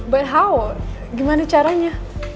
tapi bagaimana caranya